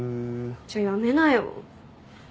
じゃやめなよ。